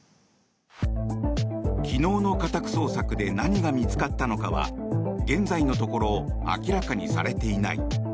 昨日の家宅捜索で何が見つかったのかは現在のところ明らかにされていない。